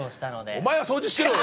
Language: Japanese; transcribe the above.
お前は掃除してろよ！